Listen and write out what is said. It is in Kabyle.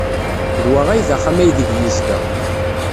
D wa ay d axxam aydeg yezdeɣ.